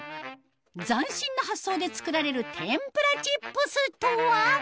斬新な発想で作られる天ぷらチップスとは？